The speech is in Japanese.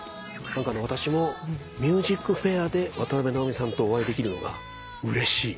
私も『ＭＵＳＩＣＦＡＩＲ』で渡辺直美さんとお会いできるのがうれしい。